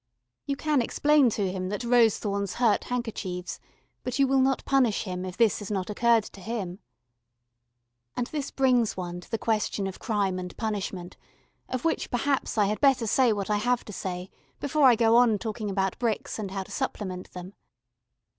You can explain to him that rose thorns hurt handkerchiefs, but you will not punish him if this has not occurred to him. And this brings one to the question of crime and punishment, of which perhaps I had better say what I have to say before I go on talking about bricks and how to supplement them.